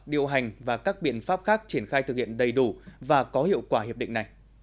điều hành và các biện pháp khác triển khai thực hiện đầy đủ và có hiệu quả hiệp định này